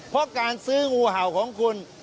เพราะการซื้องูเห่าของคุณ